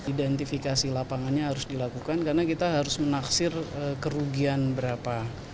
identifikasi lapangannya harus dilakukan karena kita harus menaksir kerugian berapa